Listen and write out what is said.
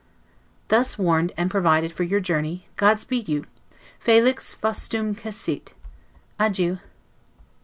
Thus warned and provided for your journey, God speed you; 'Felix faustumque sit! Adieu.